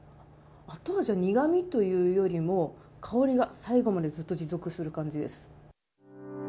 後味は苦味というよりも香りが最後までずっと持続する感じです。